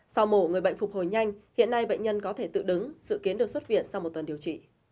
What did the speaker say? sau mổ người bệnh phục hồi nhanh hiện nay bệnh nhân có thể tự đứng dự kiến được xuất viện sau một tuần điều trị